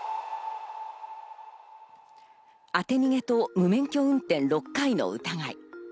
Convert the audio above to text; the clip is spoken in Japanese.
当て逃げと無免許運転６回の疑い。